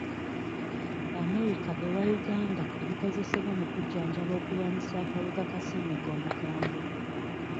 America ewa Uganda ebikozesebwa mu kujjanjaba okulwanyisa akawuka ka ssenyiga omukambwe.